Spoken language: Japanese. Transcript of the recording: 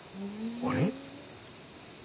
あれ？